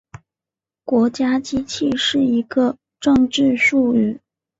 国家机器是一个政治术语。